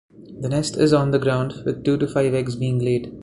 The nest is on the ground, with two to five eggs being laid.